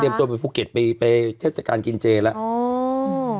ตัวไปภูเก็ตไปเทศกาลกินเจแล้ว